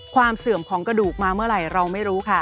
เสื่อมของกระดูกมาเมื่อไหร่เราไม่รู้ค่ะ